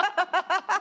ハハハハハ。